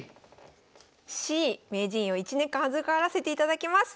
「名人位を１年間預からせていただきます」。